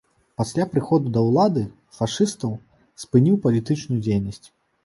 Пасля прыходу да ўлады фашыстаў спыніў палітычную дзейнасць.